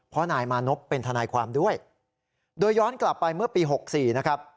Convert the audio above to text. เพราะนายมานพเป็นทนายความด้วยโดยย้อนกลับไปเมื่อปี๖๔นะครับ